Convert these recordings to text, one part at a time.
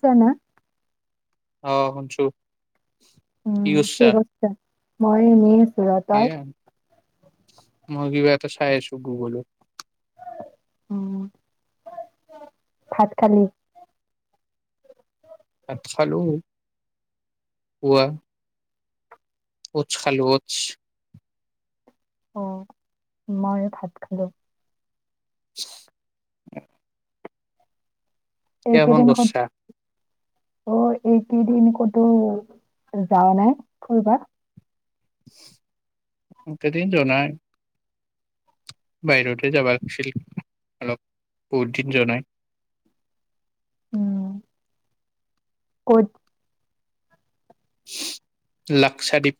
জানো অ শুনিছো উম কি কা মই এনেই চৰাতাৰ এয়া মই কিবা এটা চাই আছো গুগলত উম ভাত খালি খালু হোৱা উচ খালো উচ অ মই ভাত খালো উম কোন এইকেইদিন ক'ত গৈছা অ এইকেইদিন ক'তো যাৱ নাই ফুৰিবা এইকেদিন যোৱা নাই বাহিৰতে যাবালাগছিল অলপ বহুদিন জোৱাই নাই উম কত লাক্সাদ্বীপ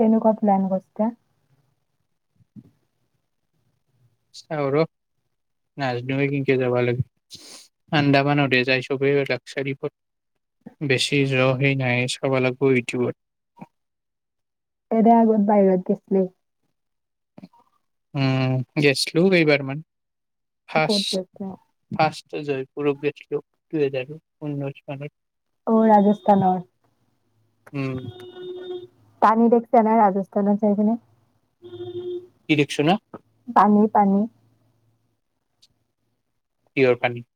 তেনেকোৱা প্লান গছ ক চাওঁ ৰস নাযনোৱে কেনেকে যাব লাগে আন্দামানতে যাই সবে লাকচাৰী বেছি জ সেই নাই চাব লাগিব ইউটিউবত এদ আগত বাহিৰত গৈছিলো উম গৈছিলো কেইবাৰ মান ক'ত ফাৰ্ষ্ট গৈছা? ফাৰ্ষ্ট জয়পুৰত গৈছিলো কিয় যায় বা উনৈশ অ ৰাজস্থানৰ উম পানী দেখিছে নাই ৰাজস্থানত চাই কিনে কি দেখচনা পানী পানী পিয়ৰ পানী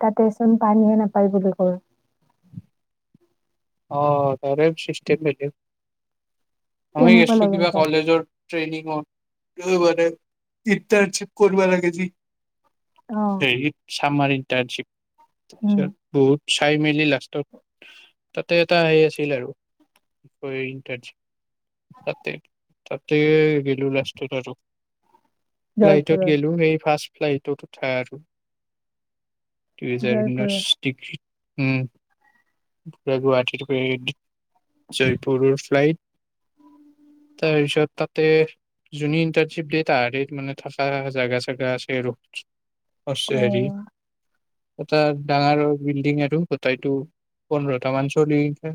তাতেচোন পানীহে নাপায় বুলি কয় অ তাৰে চিষ্টিম মিল আমি কেনেকুৱা গছো লাগিল কিবা তাৰ? কলেজৰ ট্ৰেইনিংত ব ইনতাৰ চিপ কৰিবা লাগে যি অ', সেই আমাৰ ইণ্টাৰ্ণশিপ উম। ছেত তো চাই মেলি লাস্তট তাতে এটা হেই আছিল আৰু টাজ তাতে তাতে গিলো লাষ্টত আৰু ল্লাইটত জয়পুৰৰ। গলো সেই ফাৰ্ষ্ট। ফ্লাইটতো উঠাই আৰু। দু হেজাৰ ঊনৈশ জয়পুৰৰ। ডগি। উম পুৰা গুৱাহাটীতক জয়পুৰৰ ফ্লাইট। তাৰপিছত তাতে যোনে ইন্টাৰ্নশ্বিপ দিয়ে। তাহাৰত মানে থকা জোগা চগা আছে আৰু। অ শেৰি। এটা ডাঙৰ বিল্ডিং আৰু গোটাইতটো পোন্ধৰটা মান চলিকা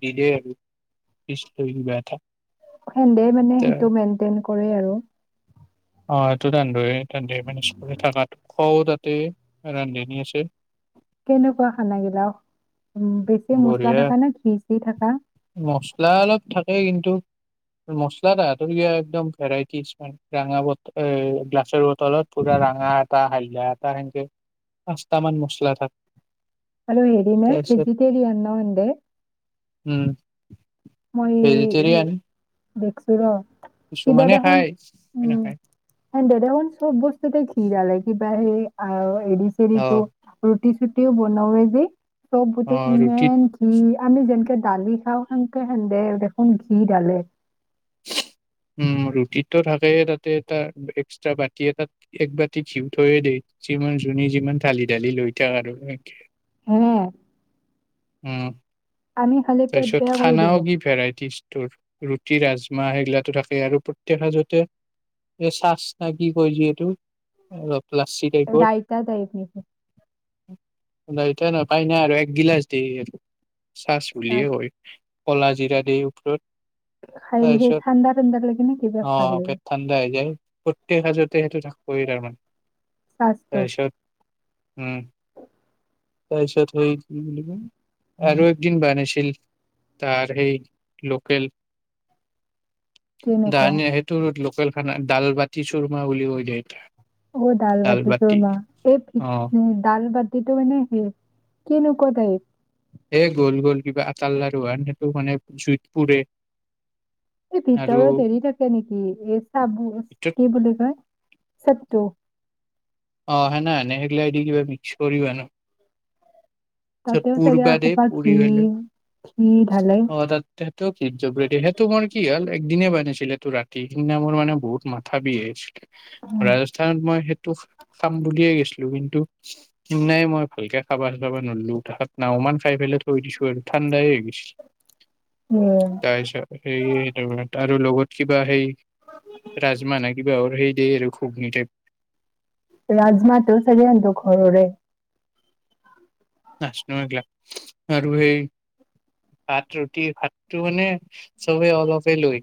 নি দে আৰু। পিচ লি বেয়াটা। হেন্দে মানে সেইটো মেনটন। কৰে আৰু। অ এইটো আনদৰে। দে মানে সে থাকটো। খও তাতে ৰান্ধ নি আছে। কেনেকুৱা খানাগিলাও। উ বেছি মছলা বঢ়িয়া থাককা নে ঘিচি থাকা। মচলা অলপ থাকেই কিন্তু মচলা তাহাতৰ ক একদম ভেৰাইটিজ মানে ৰঙা ব গ্লাছৰ বটলত পুৰা ৰঙা এটা হালধা এটা সেনেকে পাঁচটামান মছলা থাক। হেল্ল, ' হেৰিনাজি। দেৰিয়া ন এন্ত। উম মই। ভেজিটেৰিয়ান দেখছো ৰ। কি দো কিছুমানে দেখোন খায় কিছুমানে উম নাখায় এ দে দেখোন চব বস্তু। তে খীৰ লে কিবা সেই আৰত। এ ৰিটো অ তেৰিটো। চুটি চুটিও বনাওঁযে। অ চবোতে ৰুটিত ইমান কি। আমি যেনেকে দালি খাওঁ। খেদে দেখোন ঘি ডালে। উ ৰুটিতো থাকেই তাতে এটা এক্সট্ৰা বাতি এ তাত এক বাতি ঘিউ থৈয়ে দিয়ে। যিমান যো যিমান ঢালি ঢালি লৈ থাক আৰু। উম। উম আমি খালি পেট বেয়া কৰি দিব। ত ৰুটি ৰাজমাহ সেইগিলাো থাকে আৰু প্ৰত্যয়েক সাজতে এই চাজ ন কি কয় যিহেতু অলপ। ক্লাছি টাইপৰ। ৰাইতা টাইপ নেকি তি ন পাই নাই আৰু এক গিলাচ দি চাহ। ইচ্ছা বুলি য়ে কয়। কলা জিৰা দি ওপৰত খাই সেই তাৰপিছত ঠাণ্ডা ঠাণ্ডা লাগে নে কিবা ভাল অহ লাগে পেট ঠাণ্ডা হৈ যায় প্ৰত্যেক সাজতে সেইটো থাকবই তাৰমানে তাৰপিছত উম অ তাৰপিছত হেই কি বুলি কয় আৰু একদিন বানাইছ ছিল তাৰ সেই লোকেল কেনেকুৱা ডান সেইটো ৰোদ লোক লোকেল খানা দালবাতি চুৰমা বুলি কয় যে সেইটো অ দাল বাতি চোৰমা অ এই দাল বাতি সেইটো মানে সেই কেনেকোৱা তাইপ এ গ'ল গ'ল কিবা আতাৰ লাৰু হান সেটো মানে জুইত পুৰে এই আৰু ভিতৰত হেৰি থাকে নেকি এই চাব ভিতৰত কি বুলি কয় চতটো অ সেনে হেনে সেইগিলা এ দি কিবা মিক্স কৰি বনাই তাছত তাতেও চাগে পুৰবা দেই এসোপা ঘি পুৰি হলে ঘি ঢালে অ তাত সেত কি চট ৰেডি সেইটো মোৰ কি হ'ল একদিনে বনাছিলে ত ৰাতি সেইদিনা মোৰ মানে বহুত মাথা বিষ উম, ৰাজস্থানত মই সেই ত খাম বুলিয়ে গৈছিলো কিন্তু সিনাই মই ভালকে খাবা চাবা নলো তাহাত নাওমান খাই পেলাই থৈ দিছো আৰু ঠাণ্ডাই হৈ গৈছিল এ তাইছ সেই তাৰ আৰু লগত কিবা সেই ৰাজমা নে কিবাহৰ সেই দেই আৰু ঘুগ্নি টাইপ ৰাজমাটো চাগে হেহটৰ ঘৰৰে। নাছনো এইগিলা আৰু সেই ভাত ৰুটি, ভাতটো মানে চবে অলপে লয়।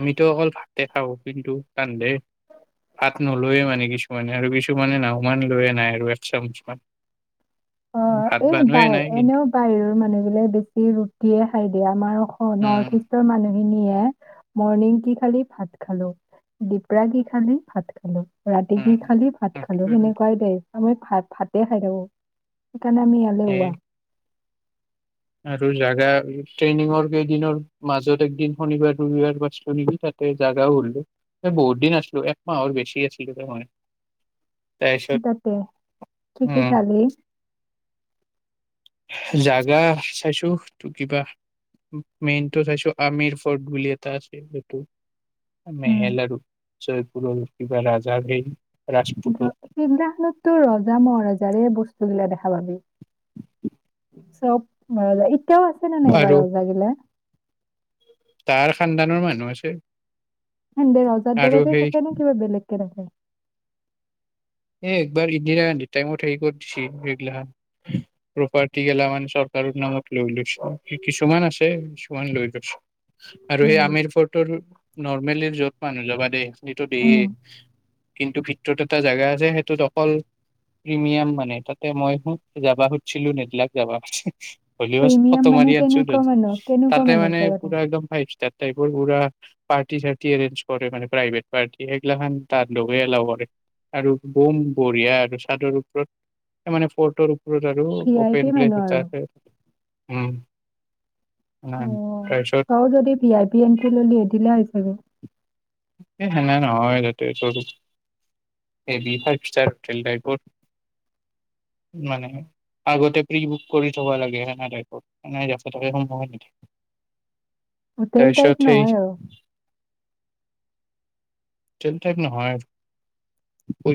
আমিতো অকল ভাতে খাও কিন্তু কান্দে ভাত নলৈয়ে মানে কিছুমানে আৰু কিছুমানে নাহমান লৈয়ে নাই আৰু এক চামুচমান। অ', এই বাই এনেও বাহিৰৰ মানুহবিলে বেছি ৰুটিয়ে খাই দিয়া, আমাৰ উম নৰ্থ ইষ্টৰ মানুহ মিনিয়ে, মৰ্ণিং কি খালি, ভাত খালো, দিপৰা কি খালি, ভাত খালো। ৰাতি কি উম খালি, ভাত খালো, সেনেকোৱাই দেই। আমি ভাত ভাতে খাই থাকো। কানে আমি সেই এলেহুৱা। আৰু জাগা, ট্ৰেইনিঙৰ কেইদিনৰ মাজত একদিন শনিবাৰ ৰবিবাৰ পছলো নিকি, তাতে জেগাও হলো বহুত দিন আছিলো একমাহৰ বেছি আছিলো দে মই। তাতে, কি কি খালি? জাগা চাইছো টো কিবা মেইনটো চাইছো আমিৰ ফৰ্ট বুলি এটা আছে সেইটো, উম, মেহেল আৰু জয়পুৰৰ কিবা ৰাজাৰ সেই। ৰাজপুতৰ [unintelligible] তো ৰজা মহাৰজাৰে বস্তু গিলা দেখা [unintelligible] সপ মাল আৰু তাৰ সানদানৰ মানে [unintelligible] হে দে ৰজাৰ দৰাতে থাকে ন কিবা বেলেগকে থাকে? এ একবাৰ ইন্দিৰা গান্ধীৰ টাইমত হেৰি কৰি দিছে, এইেগিলা প্ৰপাৰ্টি গেলা মানে চৰকাৰৰ নামত লৈ লৈছে কিছুমান আছে কিছুমান লৈ গৈছ আৰু সেই উম, আমিৰ ফোৰ্টৰ নৰ্মেলি য'ত মানুহ যাবা দেই সিটো দিয়ে। উম। কিন্তু ভিতৰত এটা জাগা যে সেইটোত অকল প্ৰিমিয়াম মানে তাতে মই শো যাবা সুধিছিলো নেদিলাক যাবা। হল প্ৰিমিয়াম ফটো মানে মাৰি আনছো কেনেকুৱা মানুহ কেনেকুৱা তাতে, মানুহ মানে জেগাটো পুৰা একদম ফাইভ ষ্টাৰ টাইপৰ পুৰা পাৰ্টি চাৰ্টি এৰেঞ্জ কৰে মানে প্ৰাইভেট পাৰ্টি সেইগিলাখান দানডৱে এলাও কৰে আৰু বম বঢ়িয়া আৰু চাদৰ ওপৰত মানে ফৰ্টৰ ওপৰত আৰু V I P open place মানুহ এটা আৰু আছে। উম। অ', তাৰপিছত তই যদি ভি আই পি এন্ট্ৰি ললিহে দিলে হৈ চাগে। হয় তাতে [unintelligible] [unintelligible] ফাইভ ষ্টাৰ হোটেলটাইপৰ, মানে আগতে প্ৰী-বুক কৰি থব লাগে হেনা টাইপৰ [unintelligible] হোটেল টাইপ তাৰপিছত সেই নহয় আৰু। হোটেল টাইপ নহয় আৰু।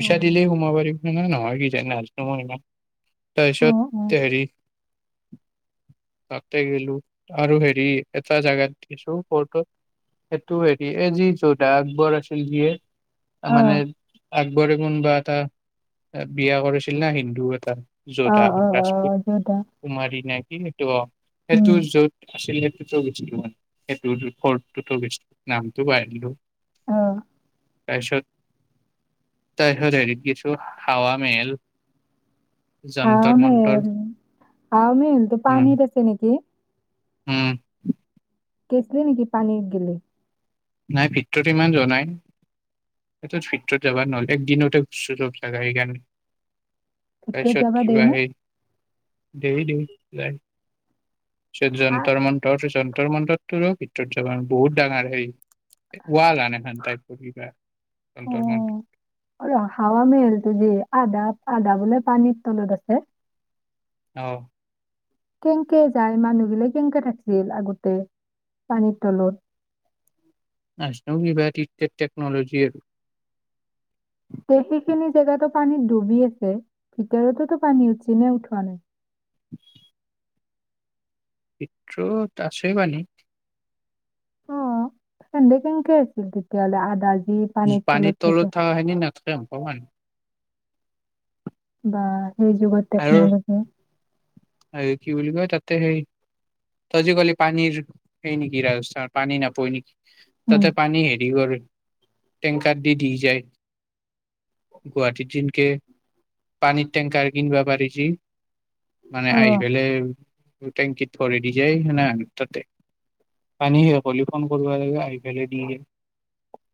অ দিলেই সোমাব পাৰি। নহয় নহয় কি জান ত মই ইমান অ তাৰিছত হেৰি তাতে গেলো আৰু হেৰি এটা জেগাত দিছো ফৰ্টত সেইটো হেৰি এই যি যোদা আকবৰ আছে ফিল দিয়ে অ মানে আকবৰে কোনবা এটা বিয়া কৰাইছিল না হিন্দু এটা অ যোধা অ ৰাজপুত অ দেউতা কুমাৰী নাই কি নিটুৱা সেইটো উম য'ত আছিল সেই সেইটো গৈছিল মানে সেইটো ব নামটো পাহৰিলো অ তাৰছত তাৰছত হেৰিত গেছু হাৱা মেল হা মেল হা মেলতো পানীত আছে নেকি হম কেচ নাই নেকি পানীত গেলে নাই ভিতৰত ইমান যোৱা নাই [unintelligible] টো ভিতৰত যাবা নহলে একদিনতে খুচ চু জাগা সেইকাৰণে ভিতৰত যাবা পাছত দেই ক নে আহে [unintelligible] এৰিদিও যাই সেই আ যন্তৰ মন্ত ভৰ মণ্ডপটো ভিতৰত যাব বহুত ডাঙৰ হেই ৱাল আন এখন তাই পা [unintelligible] অ অ হৱামে হেলত জি আদ [unintelligible] আদাবোলে পানীত তনত আছে [unintelligible] আহ কেনকে যায় মানুহ গিলাক কেনেকে থাকিছিল আগতে পানীৰ তলত নচ বি বা ইট [unintelligible] তেকনলজি আৰু তে সেইখিনি জেগাতো পানীত ডুবি আছে ভিতৰতো পানী আছে [unintelligible] উঠোৱা নাই পিত্ৰত আছে ই পানী অ সধে কেংকে আছিল তেতিয়াহলে আদাজ [unintelligible] পানীৰ তলত থকাহেনি নাথাকে গম পাওঁ বা এই যুগত আৰু টেকনলজি তে সেই তজি [unintelligible] কি পানীৰ সেই নেকিৰা পানী নপই নেকি উম তাতে পানী হেৰি কৰে টেংকাৰ দি দি যায় গুৱাহাটীত যেনকে পানীৰ টেংকাৰ কিনিবা পাৰিজে মানে অ আহিপেলাই টেংকিত ঘৰে দি যায় সে তাতে পানী স ফোন কৰিব লাগে আহি পেল দি যায় [unintelligible]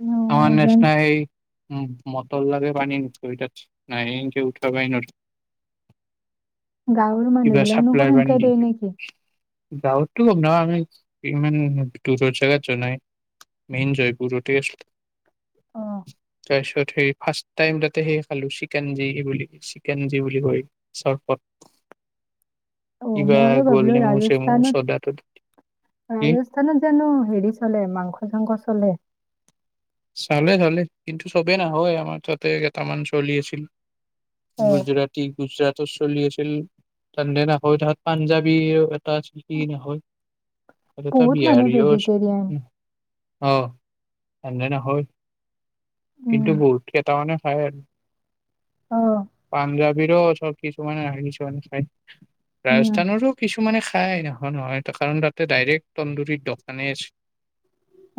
অ আমাৰ নেচ যেন ন এই উ মটৰ লাগে পান নি নাইক উঠাব পায় ন গাঁৱৰ মানুহ কিবা গিলানো চাপ্লাই বানী সেনকে দি দিয়ে নেকি [unintelligible] গৱতটো হক নাই ইমান দৰৰ জেগাত জন নাই মেইন জয়পুৰতে আ আহ তাৰপিছত সেই ফাচ টাইম তাতে সেই খালো চিকেন যি কেঞজি বুলি কয় চৰফত অ মইও ভাবিলো চেমু চদা তদা ৰাজস্থানত কি ৰাজস্থানত জানো হেৰি চলে মাংস চাংস চলে চালে চালে কিন্তু চবেই নহয় আমাৰ তাতে কেইটামান চলি আছিল অ গুজৰাটী গুজৰাট চলি আছিলে নয় তাহাত পাঞ্জাবী এটা আছিল কি নহয় ত ত বহুত মানুহ বিহাৰী ওচ ভেজিটেৰিয়ান হয় এনে ন হয় উম কিন্তু বহুতে [unintelligible] তমানে হয় [unintelligible] অ পাঞ্জাবিৰো চব কিছু মানে ন কিছুমান খ উম ৰাজস্থানৰো কিছু মানে খাই নোখোৱা নহয়, কাৰণ তাতে ডাইৰেক্ট তন্দুৰীৰ দোকানে আছে।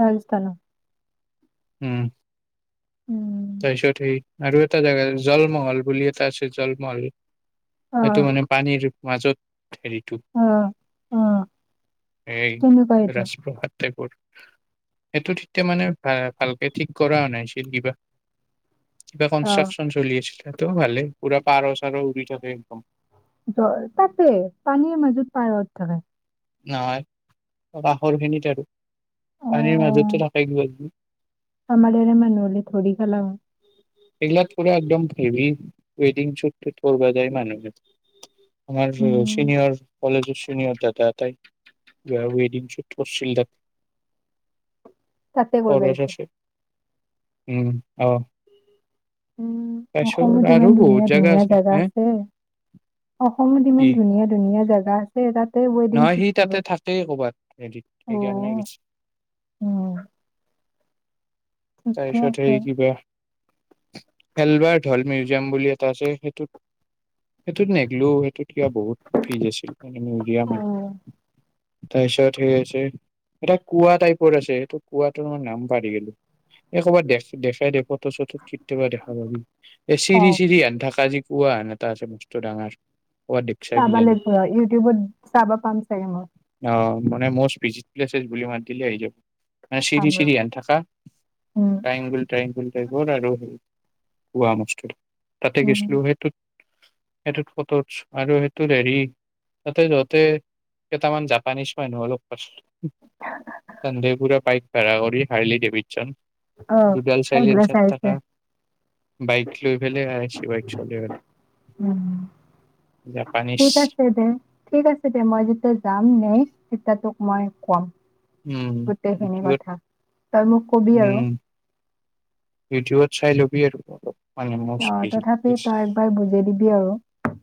ৰাজস্থানত উম্। উম। তাৰপিছত সেই আৰু এটা জেগা আছে, জলমহল বুলি এটা আছে জলমহল। অ এইটো মানে পানীৰ মাজত হেৰি অ অ এই কেনেকুৱা এইটো ৰাজপ্ৰসাদ টাইপৰ। সেইটো ঠিক তে মানে ভাল ভালকে ঠিক কৰাও নাইছিল কিবা কিবা অ', কনষ্ট্ৰাকশন চলি আছিল। [unintelligible] ভালেই পুৰা, পাৰ চাৰ উৰি থাকে একদম। জৰ তাতে, পানীৰ মাজত পাৰ থাকে নহয় কাখৰ খিনিত আৰু পানীৰ মাজতটো থাকে কি আমাৰৰে মানুহ হ'লে ধৰি খালা হ এইগিলা পোৰা একদম হেভি ৱেডিং শ্বুট টোত কৰিব যায় মানুহে। আমাৰ যু উম। চিনিয়ৰ কলেজৰ চিনিয়ৰ দাদা এটাই ৱে ৱেডিং শ্বুট কৰছিল তাত। তাতে কৰিব খৰচ গৈছে। আছে উম, অঁ। উম, অসমত ইমান বহুত ধুনীয়া- জাগা ধুনীয়া জেগা হে আছে, অসমত ইমান কি ধুনীয়া- ধুনীয়া জেগা আছে সেই তাত নহয় সি তাতে থাকেই কৰবাত হেৰিত সেইকাৰণে অ', গৈছে। উম, ঠিকে তাৰপিছত আছে। সেৰি কিবা হেলবাৰ ঢেল মিউজিয়াম বুলি এটা আছে সেইটোত সেইটোত নিদ লো সেইটোত কিবা বহুত ফিজ আছিল মানে মউজিয়ামাত। তাৰপিছত হেৰি আছে এটা কোঁৱা টাইপৰ আছে। সেইটোৰ কোঁৱাটোৰ মই নাম পাহৰি গলো। একোবাৰ দেখ দেখাই দে ফথ চথ খিত্ত বা দেখা পাবি [unintelligible] এ চিৰি অ', চিৰি হেন থকা যে কোঁৱা হেন এতা আছে মস্তু ডাঙৰ। ক'ৰবাত দেখছা চাবা কিজানি লাগিব ইউটিউবত চাবা পাম চাগে মই। অ মানে মস্ত ভিজিত প্লেচেছ বুলি মাত দিলে আহি যাব। চাম চিৰি ৰ। চিৰি হেনথাচা উম, ট্ৰাইংগুল ট্ৰাইংগুল টাইপৰ আৰু কোৱা মস্ত। তাতে উম, গেছিলো সেইটো সেইটোত ফট' উঠছো আৰু সেইটোত হেৰি তাতে যহতে কেইটামান জাপানিছ মানুহ লগ পাইছো। ধন্দেপুৰা পাইপ পেৰাগৰি হাৰলি ডেভিড। চান অ' সেই বোৰে চাই আছে বাইক লৈ পেলাই আইছি বাইক চলাই উম জাপানীজ ঠিক আছে দে ঠিক আছে দে মই যেতিয়া যাম মই তেতিয়া তোক মই কম উম গোটেইখিনি ভিডিঅ'ত কথা তই মোক কবি আৰু উম ভিডিঅ'ত চাই ল'বি আৰু অলপ মানে মোস্ট অ' তথাপি প্রিজি তই একবাৰ বুজাই দিবি আৰু।